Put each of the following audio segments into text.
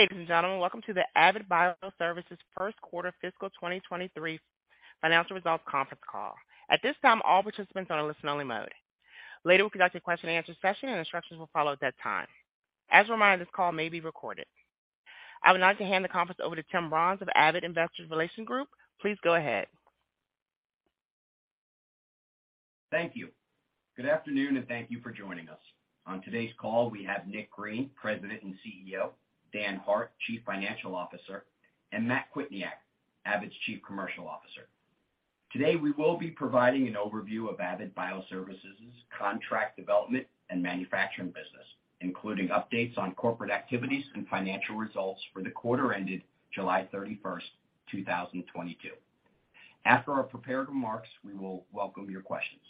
Ladies and gentlemen, welcome to the Avid Bioservices first quarter fiscal 2023 financial results conference call. At this time, all participants are in listen-only mode. Later, we'll conduct a question and answer session and instructions will follow at that time. As a reminder, this call may be recorded. I would like to hand the conference over to Tim Brons of Avid Investor Relations Group. Please go ahead. Thank you. Good afternoon, and thank you for joining us. On today's call, we have Nick Green, President and CEO, Dan Hart, Chief Financial Officer, and Matt Kwietniak, Avid's Chief Commercial Officer. Today, we will be providing an overview of Avid Bioservices' contract development and manufacturing business, including updates on corporate activities and financial results for the quarter ended July 31, 2022. After our prepared remarks, we will welcome your questions.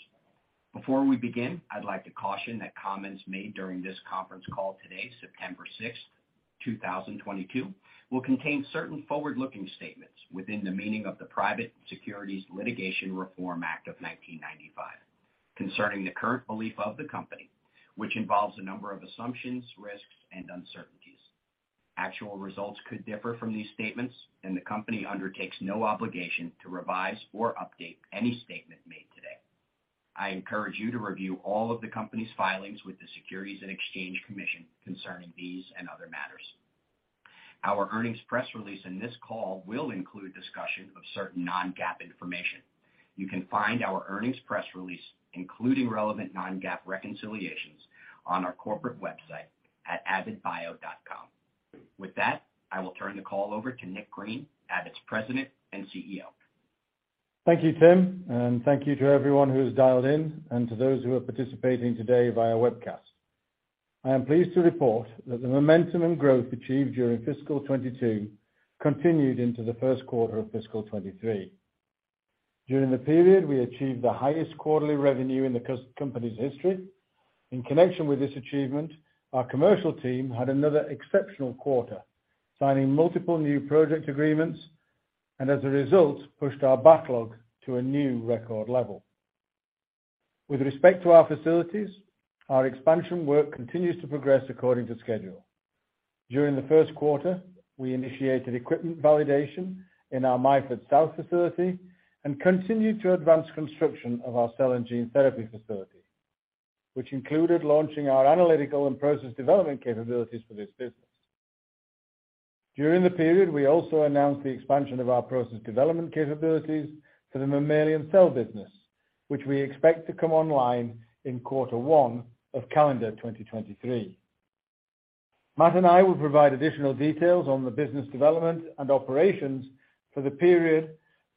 Before we begin, I'd like to caution that comments made during this conference call today, September 6, 2022, will contain certain forward-looking statements within the meaning of the Private Securities Litigation Reform Act of 1995, concerning the current belief of the company, which involves a number of assumptions, risks, and uncertainties. Actual results could differ from these statements, and the company undertakes no obligation to revise or update any statement made today. I encourage you to review all of the company's filings with the Securities and Exchange Commission concerning these and other matters. Our earnings press release in this call will include discussion of certain non-GAAP information. You can find our earnings press release, including relevant non-GAAP reconciliations, on our corporate website at avidbio.com. With that, I will turn the call over to Nick Green, Avid's President and CEO. Thank you, Tim, and thank you to everyone who has dialed in and to those who are participating today via webcast. I am pleased to report that the momentum and growth achieved during fiscal 2022 continued into the first quarter of fiscal 2023. During the period, we achieved the highest quarterly revenue in the company's history. In connection with this achievement, our commercial team had another exceptional quarter, signing multiple new project agreements, and as a result, pushed our backlog to a new record level. With respect to our facilities, our expansion work continues to progress according to schedule. During the first quarter, we initiated equipment validation in our Myford South facility and continued to advance construction of our cell and gene therapy facility, which included launching our analytical and process development capabilities for this business. During the period, we also announced the expansion of our process development capabilities for the mammalian cell business, which we expect to come online in quarter 1 of calendar 2023. Matt and I will provide additional details on the business development and operations for the period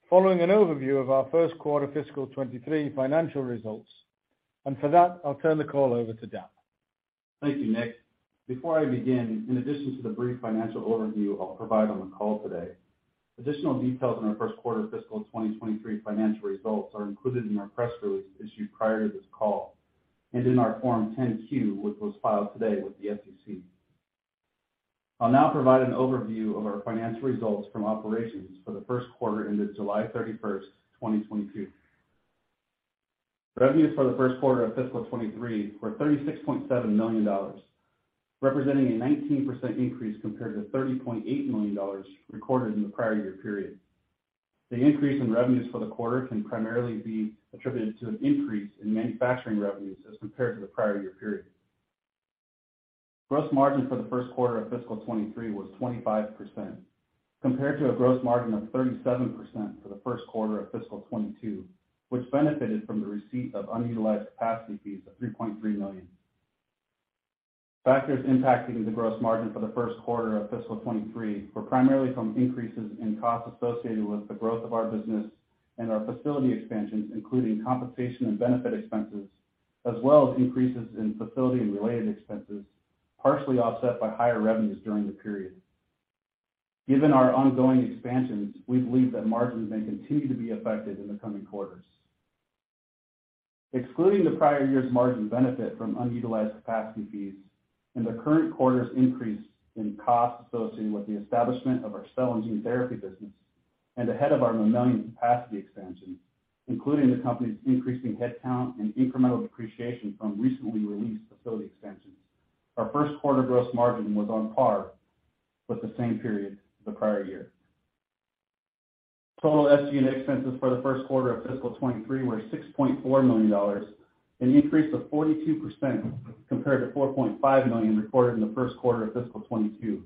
following an overview of our first quarter fiscal 2023 financial results. For that, I'll turn the call over to Dan. Thank you, Nick. Before I begin, in addition to the brief financial overview I'll provide on the call today, additional details on our first quarter fiscal 2023 financial results are included in our press release issued prior to this call and in our Form 10-Q, which was filed today with the SEC. I'll now provide an overview of our financial results from operations for the first quarter ended July 31, 2022. Revenues for the first quarter of fiscal 2023 were $36.7 million, representing a 19% increase compared to $30.8 million recorded in the prior year period. The increase in revenues for the quarter can primarily be attributed to an increase in manufacturing revenues as compared to the prior year period. Gross margin for the first quarter of fiscal 2023 was 25% compared to a gross margin of 37% for the first quarter of fiscal 2022, which benefited from the receipt of unutilized capacity fees of $3.3 million. Factors impacting the gross margin for the first quarter of fiscal 2023 were primarily from increases in costs associated with the growth of our business and our facility expansions, including compensation and benefit expenses, as well as increases in facility and related expenses, partially offset by higher revenues during the period. Given our ongoing expansions, we believe that margins may continue to be affected in the coming quarters. Excluding the prior year's margin benefit from unutilized capacity fees and the current quarter's increase in costs associated with the establishment of our cell and gene therapy business and ahead of our mammalian capacity expansion, including the company's increasing headcount and incremental depreciation from recently released facility expansions, our first quarter gross margin was on par with the same period the prior year. Total SG&A expenses for the first quarter of fiscal 2023 were $6.4 million, an increase of 42% compared to $4.5 million recorded in the first quarter of fiscal 2022.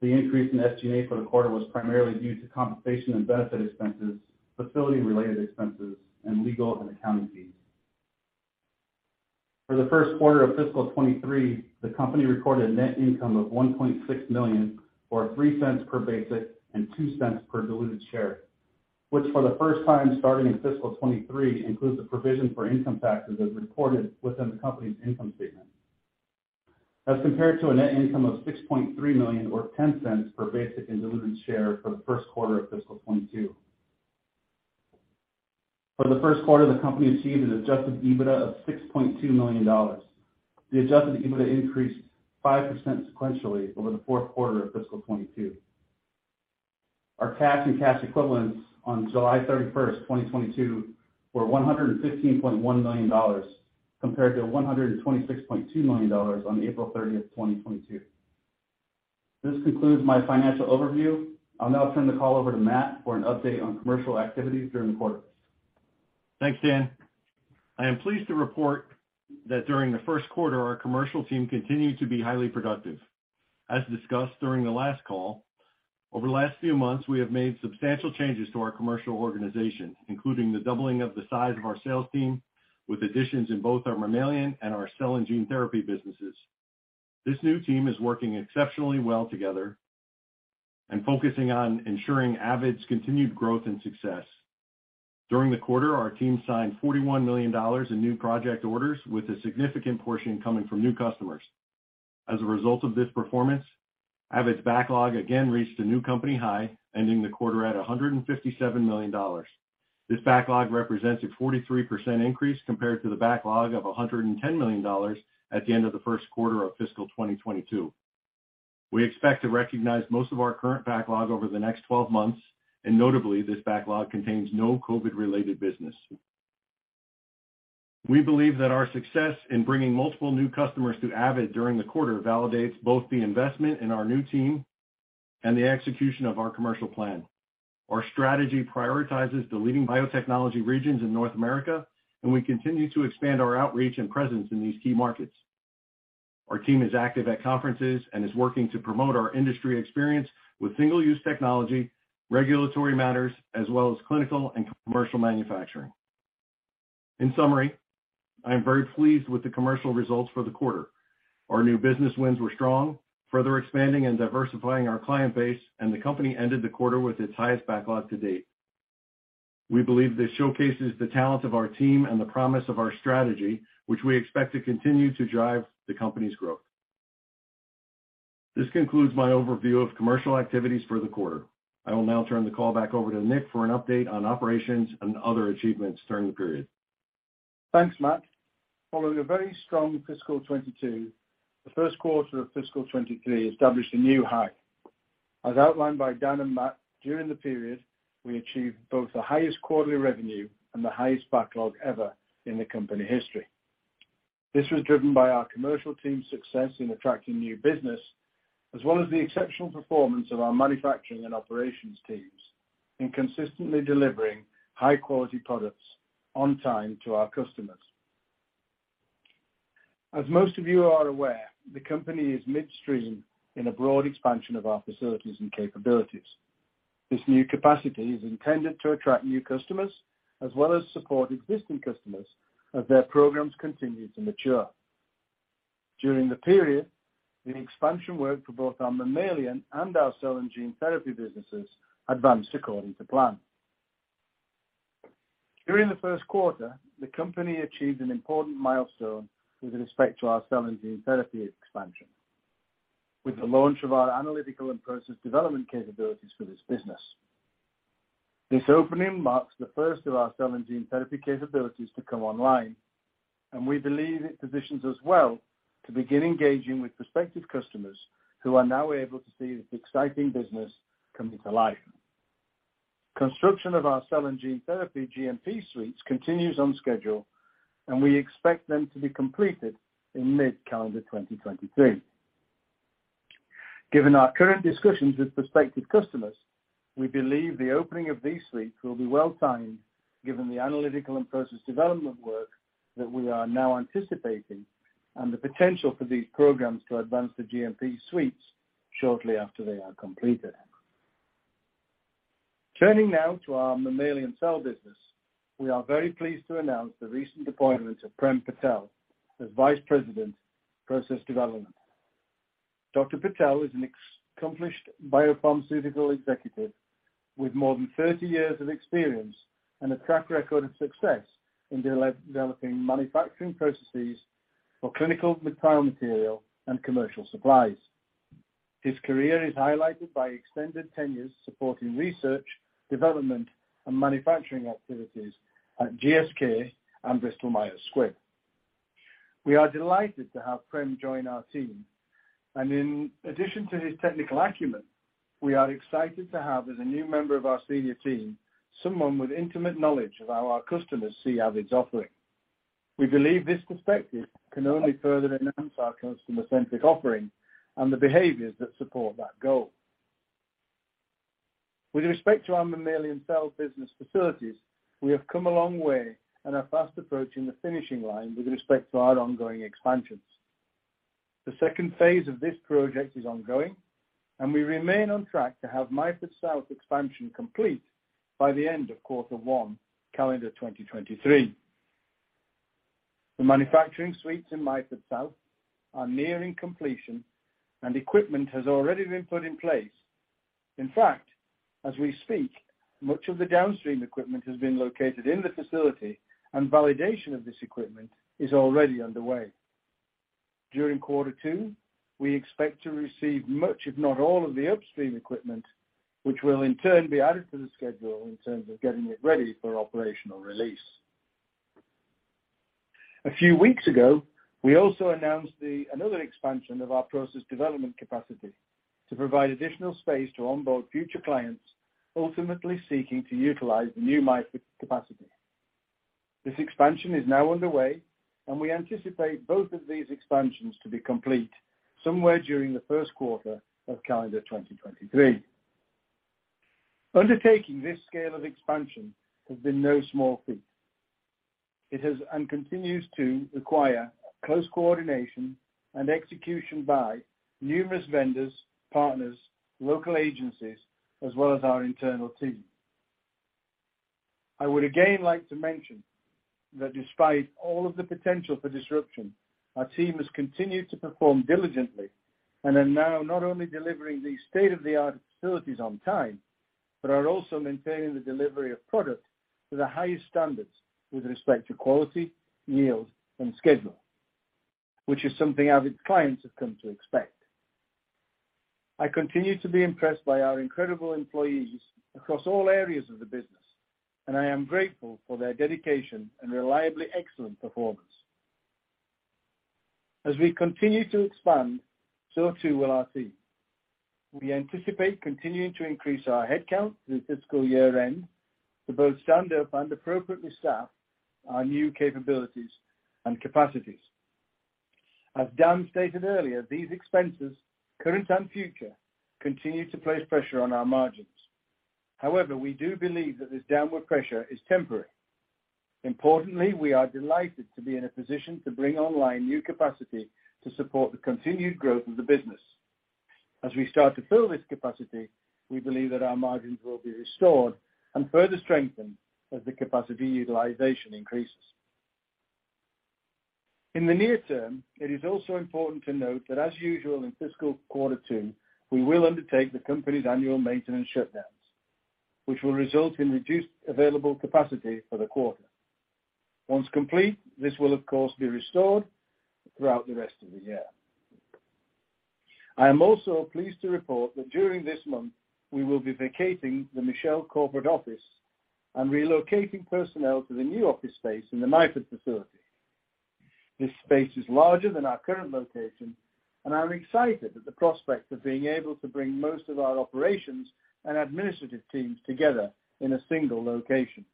The increase in SG&A for the quarter was primarily due to compensation and benefit expenses, facility-related expenses, and legal and accounting fees. For the first quarter of fiscal 2023, the company recorded net income of $1.6 million or $0.03 per basic and $0.02 per diluted share, which for the first time starting in fiscal 2023, includes a provision for income taxes as recorded within the company's income statement, as compared to a net income of $6.3 million or $0.10 per basic and diluted share for the first quarter of fiscal 2022. For the first quarter, the company achieved an adjusted EBITDA of $6.2 million. The adjusted EBITDA increased 5% sequentially over the fourth quarter of fiscal 2022. Our cash and cash equivalents on July 31, 2022 were $115.1 million compared to $126.2 million on April 30, 2022. This concludes my financial overview. I'll now turn the call over to Matt for an update on commercial activities during the quarter. Thanks, Dan. I am pleased to report that during the first quarter, our commercial team continued to be highly productive. As discussed during the last call, over the last few months, we have made substantial changes to our commercial organization, including the doubling of the size of our sales team, with additions in both our mammalian and our cell and gene therapy businesses. This new team is working exceptionally well together and focusing on ensuring Avid's continued growth and success. During the quarter, our team signed $41 million in new project orders, with a significant portion coming from new customers. As a result of this performance, Avid's backlog again reached a new company high, ending the quarter at $157 million. This backlog represents a 43% increase compared to the backlog of $110 million at the end of the first quarter of fiscal 2022. We expect to recognize most of our current backlog over the next 12 months, and notably, this backlog contains no COVID-related business. We believe that our success in bringing multiple new customers to Avid during the quarter validates both the investment in our new team and the execution of our commercial plan. Our strategy prioritizes the leading biotechnology regions in North America, and we continue to expand our outreach and presence in these key markets. Our team is active at conferences and is working to promote our industry experience with single-use technology, regulatory matters, as well as clinical and commercial manufacturing. In summary, I am very pleased with the commercial results for the quarter. Our new business wins were strong, further expanding and diversifying our client base, and the company ended the quarter with its highest backlog to date. We believe this showcases the talent of our team and the promise of our strategy, which we expect to continue to drive the company's growth. This concludes my overview of commercial activities for the quarter. I will now turn the call back over to Nick for an update on operations and other achievements during the period. Thanks, Matt. Following a very strong fiscal 2022, the first quarter of fiscal 2023 established a new high. As outlined by Dan and Matt, during the period, we achieved both the highest quarterly revenue and the highest backlog ever in the company history. This was driven by our commercial team's success in attracting new business, as well as the exceptional performance of our manufacturing and operations teams in consistently delivering high-quality products on time to our customers. As most of you are aware, the company is midstream in a broad expansion of our facilities and capabilities. This new capacity is intended to attract new customers as well as support existing customers as their programs continue to mature. During the period, the expansion work for both our mammalian and our cell and gene therapy businesses advanced according to plan. During the first quarter, the company achieved an important milestone with respect to our cell and gene therapy expansion with the launch of our analytical and process development capabilities for this business. This opening marks the first of our cell and gene therapy capabilities to come online, and we believe it positions us well to begin engaging with prospective customers who are now able to see this exciting business come to life. Construction of our cell and gene therapy GMP suites continues on schedule, and we expect them to be completed in mid-calendar 2023. Given our current discussions with prospective customers, we believe the opening of these suites will be well-timed, given the analytical and process development work that we are now anticipating and the potential for these programs to advance to GMP suites shortly after they are completed. Turning now to our mammalian cell business. We are very pleased to announce the recent appointment of Prem Patel as Vice President, Process Development. Dr. Patel is an accomplished biopharmaceutical executive with more than 30 years of experience and a track record of success in developing manufacturing processes for clinical material and commercial supplies. His career is highlighted by extended tenures supporting research, development, and manufacturing activities at GSK and Bristol Myers Squibb. We are delighted to have Prem join our team, and in addition to his technical acumen, we are excited to have, as a new member of our senior team, someone with intimate knowledge of how our customers see Avid's offering. We believe this perspective can only further enhance our customer-centric offering and the behaviors that support that goal. With respect to our mammalian cell business facilities, we have come a long way and are fast approaching the finishing line with respect to our ongoing expansions. The second phase of this project is ongoing, and we remain on track to have Myford South expansion complete by the end of quarter one, calendar 2023. The manufacturing suites in Myford South are nearing completion, and equipment has already been put in place. In fact, as we speak, much of the downstream equipment has been located in the facility, and validation of this equipment is already underway. During quarter two, we expect to receive much, if not all, of the upstream equipment, which will in turn be added to the schedule in terms of getting it ready for operational release. A few weeks ago, we also announced another expansion of our process development capacity to provide additional space to onboard future clients, ultimately seeking to utilize the new Myford capacity. This expansion is now underway, and we anticipate both of these expansions to be complete somewhere during the first quarter of calendar 2023. Undertaking this scale of expansion has been no small feat. It has and continues to require close coordination and execution by numerous vendors, partners, local agencies, as well as our internal team. I would again like to mention that despite all of the potential for disruption, our team has continued to perform diligently and are now not only delivering these state-of-the-art facilities on time, but are also maintaining the delivery of product to the highest standards with respect to quality, yield, and schedule, which is something our clients have come to expect. I continue to be impressed by our incredible employees across all areas of the business, and I am grateful for their dedication and reliably excellent performance. As we continue to expand, so too will our team. We anticipate continuing to increase our headcount through fiscal year-end to both stand up and appropriately staff our new capabilities and capacities. As Dan stated earlier, these expenses, current and future, continue to place pressure on our margins. However, we do believe that this downward pressure is temporary Importantly, we are delighted to be in a position to bring online new capacity to support the continued growth of the business. As we start to fill this capacity, we believe that our margins will be restored and further strengthened as the capacity utilization increases. In the near term, it is also important to note that as usual in fiscal quarter two, we will undertake the company's annual maintenance shutdowns, which will result in reduced available capacity for the quarter. Once complete, this will of course, be restored throughout the rest of the year. I am also pleased to report that during this month, we will be vacating the Michelle corporate office and relocating personnel to the new office space in the Myford facility. This space is larger than our current location, and I'm excited at the prospect of being able to bring most of our operations and administrative teams together in a single location.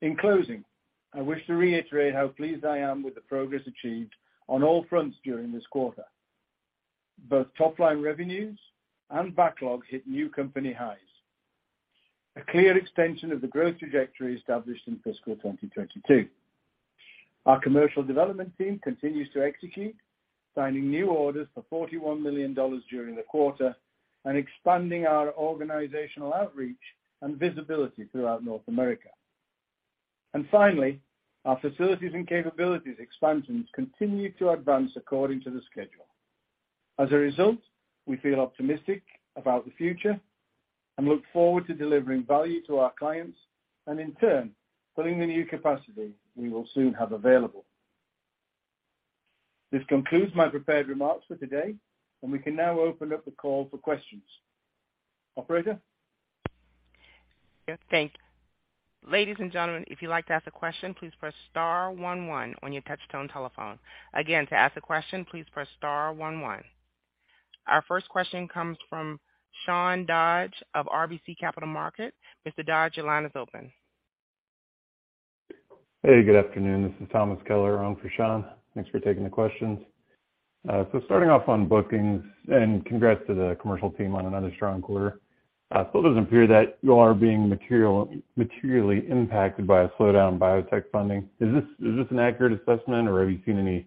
In closing, I wish to reiterate how pleased I am with the progress achieved on all fronts during this quarter. Both top-line revenues and backlogs hit new company highs. A clear extension of the growth trajectory established in fiscal 2022. Our commercial development team continues to execute, signing new orders for $41 million during the quarter and expanding our organizational outreach and visibility throughout North America. Finally, our facilities and capabilities expansions continue to advance according to the schedule. As a result, we feel optimistic about the future and look forward to delivering value to our clients and in turn, filling the new capacity we will soon have available. This concludes my prepared remarks for today, and we can now open up the call for questions. Operator? Yeah. Thank you. Ladies and gentlemen, if you'd like to ask a question, please press star one one on your touch-tone telephone. Again, to ask a question, please press star one one. Our first question comes from Sean Dodge of RBC Capital Markets. Mr. Dodge, your line is open. Hey, good afternoon. This is Thomas Kelliher on for Sean. Thanks for taking the questions. Starting off on bookings, and congrats to the commercial team on another strong quarter. It doesn't appear that you all are being materially impacted by a slowdown in biotech funding. Is this an accurate assessment, or have you seen any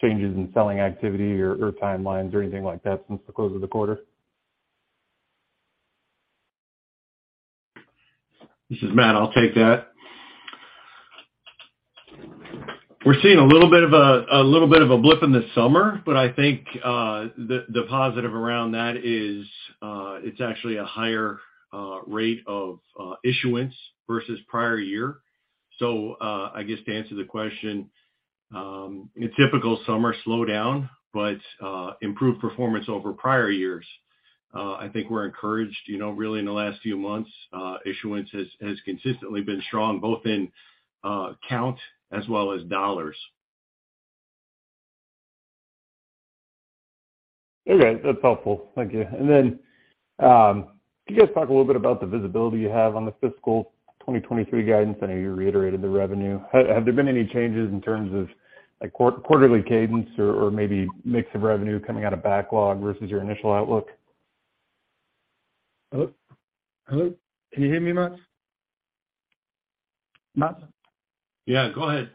changes in selling activity or timelines or anything like that since the close of the quarter? This is Matt. I'll take that. We're seeing a little bit of a blip in the summer, but I think the positive around that is it's actually a higher rate of issuance versus prior year. I guess to answer the question, a typical summer slowdown, but improved performance over prior years. I think we're encouraged, you know, really in the last few months, issuance has consistently been strong, both in count as well as dollars. Okay. That's helpful. Thank you. Can you guys talk a little bit about the visibility you have on the fiscal 2023 guidance? I know you reiterated the revenue. Have there been any changes in terms of like quarterly cadence or maybe mix of revenue coming out of backlog versus your initial outlook? Hello? Hello? Can you hear me, Matt? Matt? Yeah, go ahead.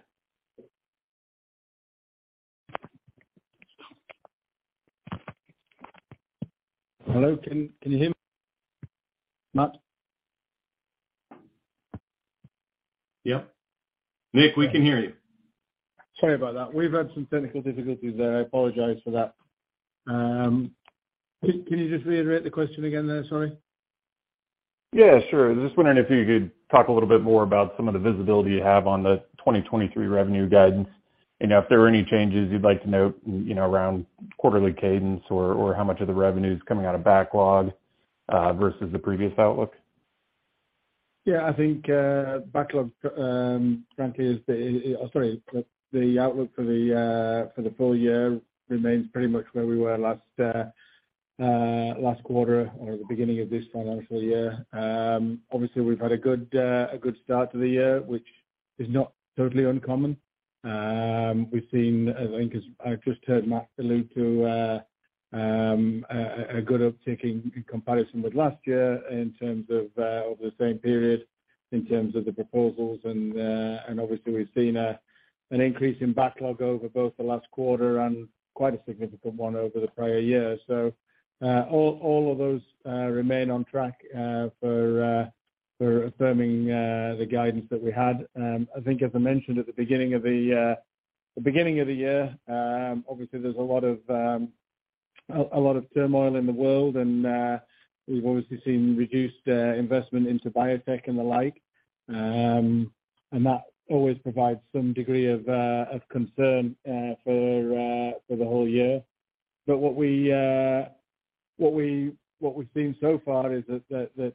Hello, can you hear me, Matt? Yeah. Nick, we can hear you. Sorry about that. We've had some technical difficulties there. I apologize for that. Can you just reiterate the question again there? Sorry. Yeah, sure. I was just wondering if you could talk a little bit more about some of the visibility you have on the 2023 revenue guidance, and if there were any changes you'd like to note, you know, around quarterly cadence or how much of the revenue is coming out of backlog versus the previous outlook Yeah, I think, the outlook for the full year remains pretty much where we were last quarter or the beginning of this financial year. Obviously, we've had a good start to the year, which is not totally uncommon. We've seen, I've just heard Matt allude to, a good uptick in comparison with last year in terms of over the same period, in terms of the proposals. Obviously we've seen an increase in backlog over both the last quarter and quite a significant one over the prior year. All of those remain on track for affirming the guidance that we had. I think as I mentioned at the beginning of the year, obviously there's a lot of turmoil in the world. We've obviously seen reduced investment into biotech and the like, and that always provides some degree of concern for the whole year. What we've seen so far is that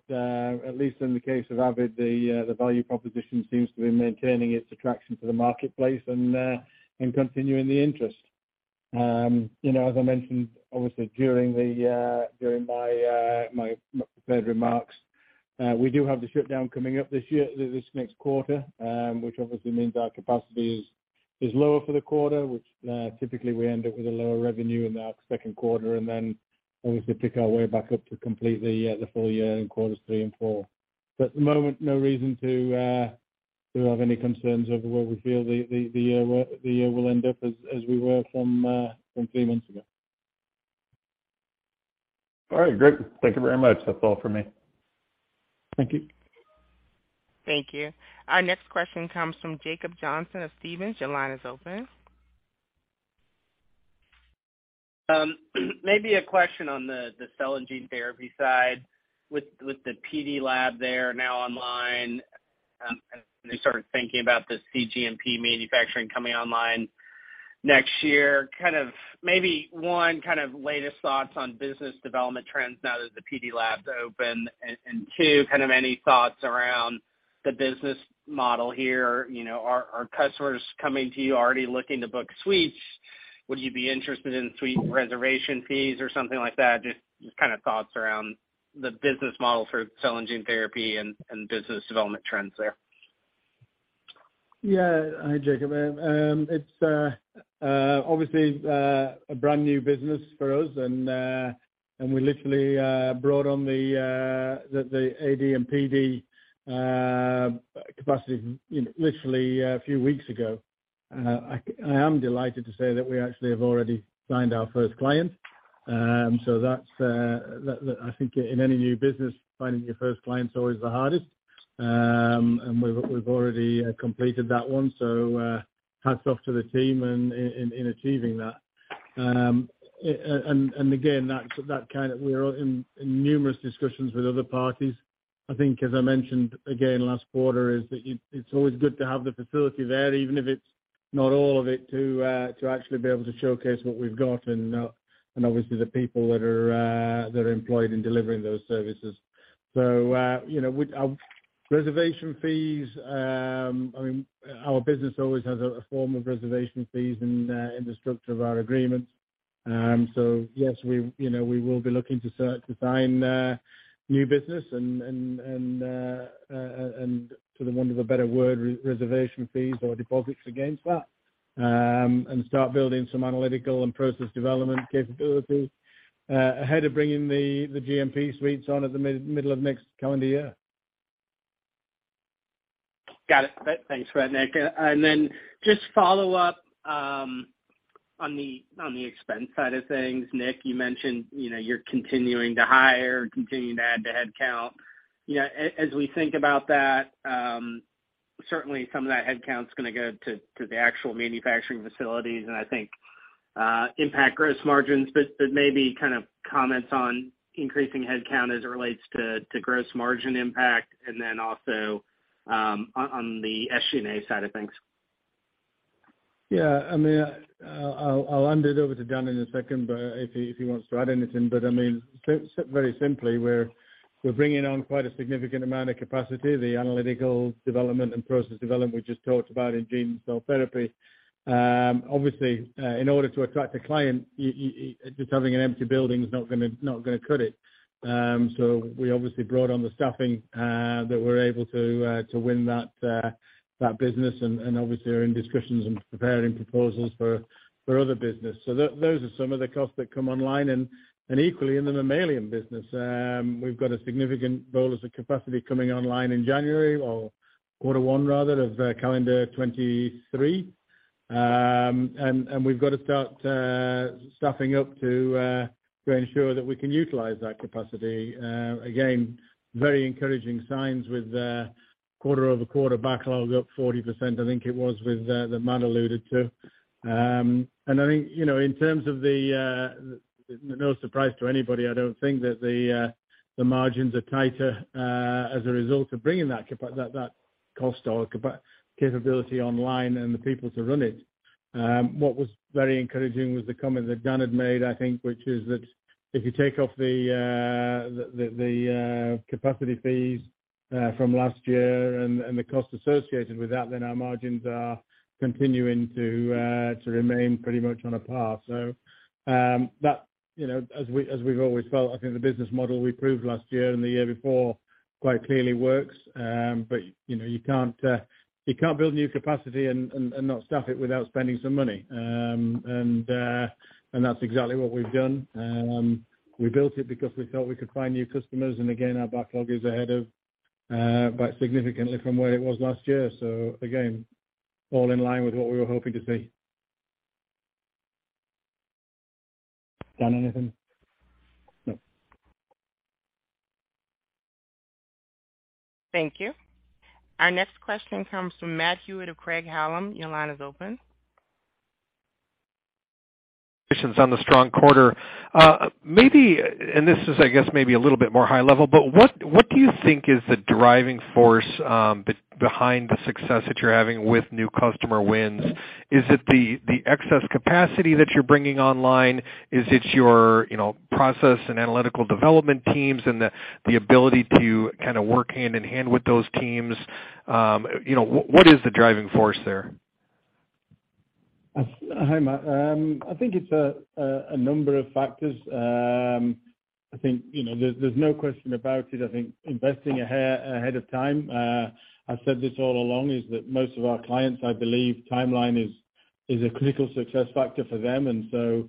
at least in the case of Avid, the value proposition seems to be maintaining its attraction to the marketplace and continuing the interest. You know, as I mentioned, obviously during my prepared remarks, we do have the shutdown coming up this year, this next quarter, which obviously means our capacity is lower for the quarter, which typically we end up with a lower revenue in the second quarter. Obviously pick our way back up to complete the full year in quarters three and four. At the moment, no reason to have any concerns over where we feel the year will end up as we were from three months ago. All right, great. Thank you very much. That's all for me. Thank you. Thank you. Our next question comes from Jacob Johnson of Stephens. Your line is open. Maybe a question on the cell and gene therapy side. With the PD lab there now online, and we started thinking about the cGMP manufacturing coming online next year, one, latest thoughts on business development trends now that the PD lab's open. Two, kind of any thoughts around the business model here. You know, are customers coming to you already looking to book suites? Would you be interested in suite reservation fees or something like that? Just kind of thoughts around the business model for cell and gene therapy and business development trends there. Yeah. Hi, Jacob. It's obviously a brand new business for us and we literally brought on the AD and PD capacity, you know, literally a few weeks ago. I am delighted to say that we actually have already signed our first client. So that's, I think, in any new business, finding your first client is always the hardest. We've already completed that one, so hats off to the team in achieving that. Again, that kind of, we're all in numerous discussions with other parties. I think as I mentioned again last quarter is that it's always good to have the facility there, even if it's not all of it, to actually be able to showcase what we've got and obviously the people that are employed in delivering those services. You know, with our reservation fees, I mean, our business always has a form of reservation fees in the structure of our agreements. Yes, we you know we will be looking to start to sign new business and for the want of a better word, re-reservation fees or deposits against that. And start building some analytical and process development capabilities ahead of bringing the GMP suites on at the middle of next calendar year. Got it. Thanks, Nick. Just follow up on the expense side of things. Nick, you mentioned, you know, you're continuing to hire, continuing to add the headcount. You know, as we think about that, certainly some of that headcount's gonna go to the actual manufacturing facilities, and I think impact gross margins. But maybe kind of comments on increasing headcount as it relates to gross margin impact. On the SG&A side of things. Yeah. I mean, I'll hand it over to Dan in a second, but if he wants to add anything. I mean, very simply, we're bringing on quite a significant amount of capacity, the analytical development and process development we just talked about in cell and gene therapy. Obviously, in order to attract a client, you just having an empty building is not gonna cut it. We obviously brought on the staffing that we're able to to win that business and obviously are in discussions and preparing proposals for other business. Those are some of the costs that come online and equally in the mammalian business. We've got a significant rollouts of capacity coming online in January or quarter one rather of calendar 2023. We've got to start staffing up to ensure that we can utilize that capacity. Again, very encouraging signs with quarter-over-quarter backlog up 40% I think it was with that Matt alluded to. I think, you know, in terms of the no surprise to anybody, I don't think that the margins are tighter as a result of bringing that capability online and the people to run it. What was very encouraging was the comment that Dan had made, I think, which is that if you take off the capacity fees from last year and the cost associated with that, then our margins are continuing to remain pretty much on a par. You know, as we've always felt, I think the business model we proved last year and the year before quite clearly works. You know, you can't build new capacity and not staff it without spending some money. That's exactly what we've done. We built it because we felt we could find new customers. Again, our backlog is ahead of quite significantly from where it was last year. Again, all in line with what we were hoping to see. Dan, anything? No. Thank you. Our next question comes from Matt Hewitt of Craig-Hallum. Your line is open. On the strong quarter. Maybe this is, I guess, maybe a little bit more high level, but what do you think is the driving force behind the success that you're having with new customer wins? Is it the excess capacity that you're bringing online? Is it your, you know, process and analytical development teams and the ability to kinda work hand in hand with those teams? You know, what is the driving force there? Hi, Matt. I think it's a number of factors. I think, you know, there's no question about it. I think investing ahead of time, I've said this all along, is that most of our clients, I believe timeline is a critical success factor for them. You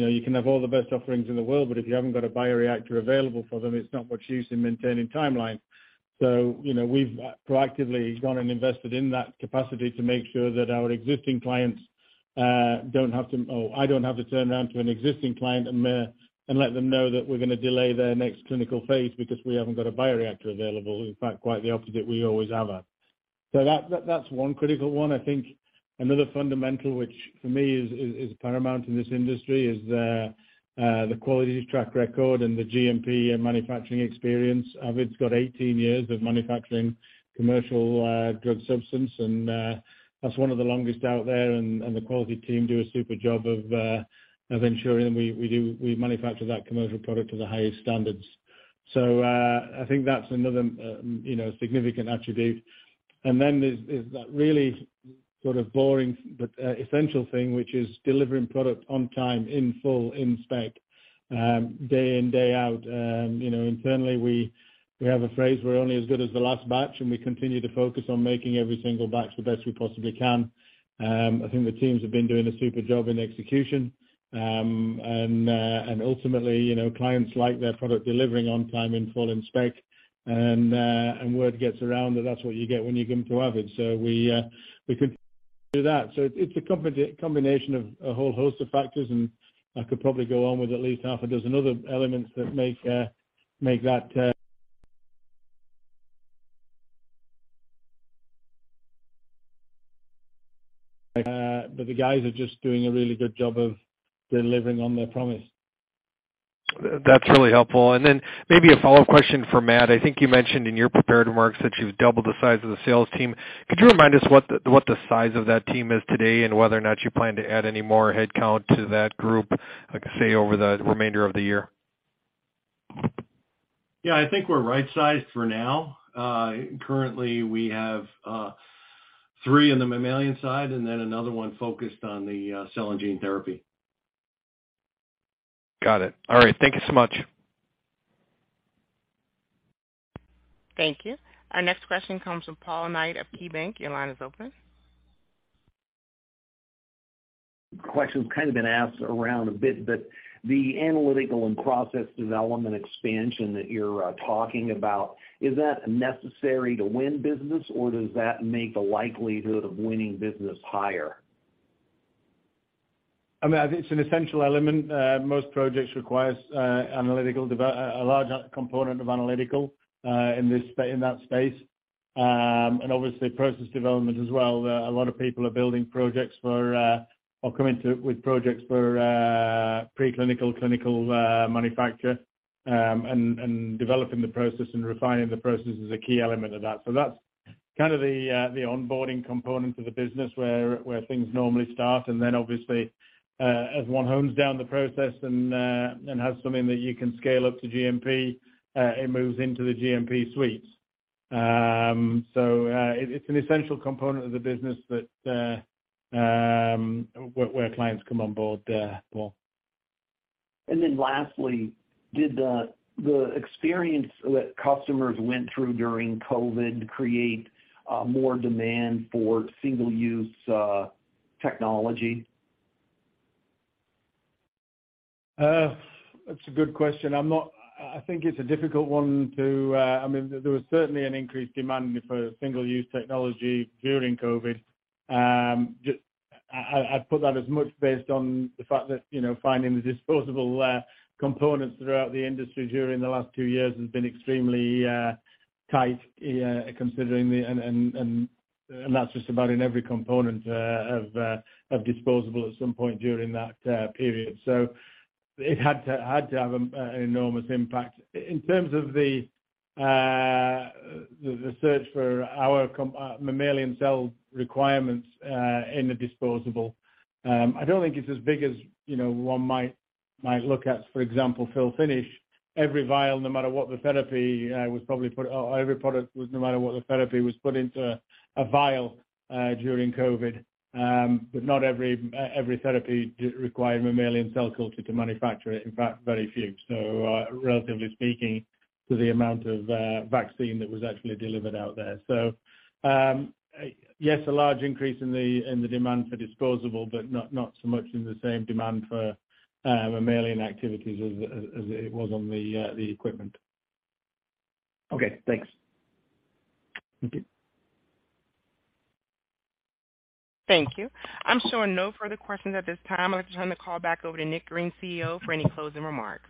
know, you can have all the best offerings in the world, but if you haven't got a bioreactor available for them, it's not much use in maintaining timeline. You know, we've proactively gone and invested in that capacity to make sure that our existing clients don't have to. I don't have to turn around to an existing client and let them know that we're gonna delay their next clinical phase because we haven't got a bioreactor available. In fact, quite the opposite, we always have. That's one critical one. I think another fundamental, which for me is paramount in this industry, is the quality track record and the GMP and manufacturing experience. Avid's got 18 years of manufacturing commercial drug substance, and that's one of the longest out there. And the quality team do a super job of ensuring we manufacture that commercial product to the highest standards. I think that's another, you know, significant attribute. Then there's that really sort of boring but essential thing, which is delivering product on time, in full, in spec, day in, day out. You know, internally, we have a phrase, "We're only as good as the last batch," and we continue to focus on making every single batch the best we possibly can. I think the teams have been doing a super job in execution. Ultimately, you know, clients like their product delivering on time, in full, in spec. Word gets around that that's what you get when you come to Avid. We could do that. It's a combination of a whole host of factors, and I could probably go on with at least half a dozen other elements that make that. The guys are just doing a really good job of delivering on their promise. That's really helpful. Maybe a follow-up question for Matt. I think you mentioned in your prepared remarks that you've doubled the size of the sales team. Could you remind us what the size of that team is today and whether or not you plan to add any more headcount to that group, like, say, over the remainder of the year? Yeah. I think we're right-sized for now. Currently, we have three in the mammalian side and then another one focused on the cell and gene therapy. Got it. All right. Thank you so much. Thank you. Our next question comes from Paul Knight of KeyBanc Capital Markets. Your line is open. Question's kind of been asked around a bit, but the analytical and process development expansion that you're talking about, is that necessary to win business, or does that make the likelihood of winning business higher? I mean, I think it's an essential element. Most projects requires a large component of analytical in that space. Obviously process development as well. There's a lot of people are building projects for or coming with projects for preclinical, clinical manufacture. Developing the process and refining the process is a key element of that. That's kind of the onboarding component of the business where things normally start. Obviously as one hones down the process and has something that you can scale up to GMP, it moves into the GMP suites. It's an essential component of the business that where clients come on board, Paul. Lastly, did the experience that customers went through during COVID create more demand for single-use technology? That's a good question. I'm not. I think it's a difficult one to. I mean, there was certainly an increased demand for single-use technology during COVID. I'd put that as much based on the fact that, you know, finding the disposable components throughout the industry during the last two years has been extremely tight, considering the. That's just about in every component of disposable at some point during that period. So it had to have an enormous impact. In terms of the search for our mammalian cell requirements in the disposable, I don't think it's as big as, you know, one might look at, for example, fill finish. Every vial, no matter what the therapy, was probably put. Every product, no matter what the therapy, was put into a vial during COVID. Not every therapy required mammalian cell culture to manufacture it. In fact, very few. Relatively speaking to the amount of vaccine that was actually delivered out there. Yes, a large increase in the demand for disposable, but not so much in the same demand for mammalian activities as it was on the equipment. Okay, thanks. Thank you. Thank you. I'm showing no further questions at this time. I'd like to turn the call back over to Nick Green, CEO, for any closing remarks.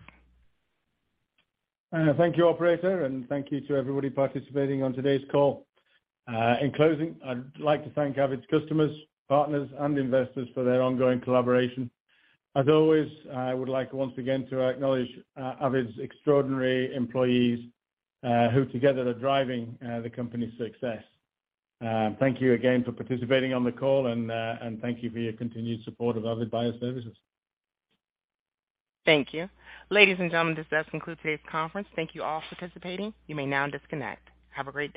Thank you, operator, and thank you to everybody participating on today's call. In closing, I'd like to thank Avid's customers, partners, and investors for their ongoing collaboration. As always, I would like once again to acknowledge Avid's extraordinary employees, who together are driving the company's success. Thank you again for participating on the call, and thank you for your continued support of Avid Bioservices. Thank you. Ladies and gentlemen, this does conclude today's conference. Thank you all for participating. You may now disconnect. Have a great day.